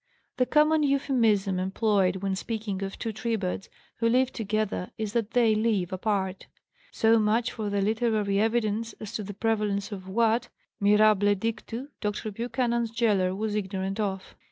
The common euphemism employed when speaking of two tribades who live together is that they 'live apart.' So much for the literary evidence as to the prevalence of what, mirable dictu, Dr. Buchanan's gaoler was ignorant of.